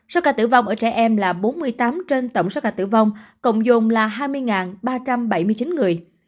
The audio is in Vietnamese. số ca tử vong ở trẻ em là bốn mươi tám trên tổng số ca tử vong cộng dồn là hai mươi ba trăm bảy mươi chín người